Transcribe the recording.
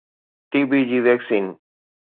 ٽي B جي vaccine